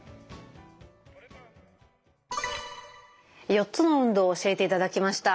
４つの運動を教えていただきました。